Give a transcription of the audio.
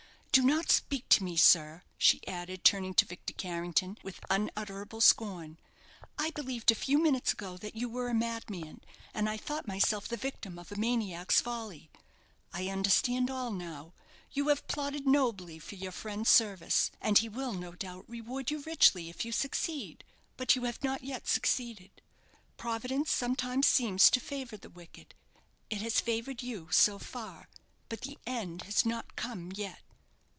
"Do not speak to me, sir," she added, turning to Victor Carrington, with unutterable scorn. "I believed a few minutes ago that you were a madman, and I thought myself the victim of a maniac's folly. I understand all now. You have plotted nobly for your friend's service; and he will, no doubt, reward you richly if you succeed. But you have not yet succeeded. Providence sometimes seems to favour the wicked. It his favoured you, so far; but the end has not come yet."